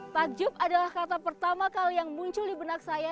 takjub adalah kata pertama kali yang muncul di benak saya